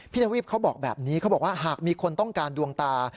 ทวีปเขาบอกแบบนี้เขาบอกว่าหากมีคนต้องการดวงตา